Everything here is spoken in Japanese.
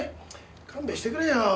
勘弁してくれよ。